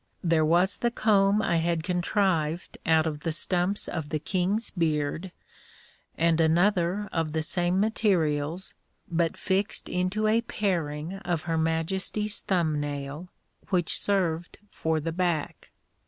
There was the comb I had contrived out of the stumps of the king's beard, and another of the same materials, but fixed into a paring of her Majesty's thumb nail, which served for the back.